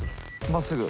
真っすぐ。